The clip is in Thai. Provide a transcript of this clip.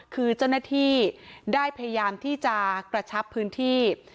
คือเจ้าหน้าที่ได้พยายามที่จะกระชับพื้นที่